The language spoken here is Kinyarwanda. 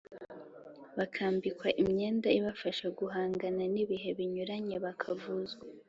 bakambikwa imyenda ibafasha guhangana n'ibihe binyuranye, bakavuzwa